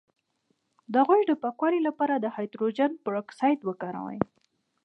د غوږ د پاکوالي لپاره د هایدروجن پر اکسایډ وکاروئ